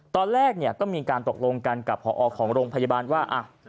ตอนแรกเนี่ยก็มีการตกลงกันกับพอของโรงพยาบาลว่า